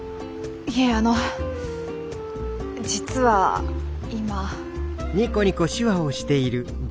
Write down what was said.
いえあの実は今。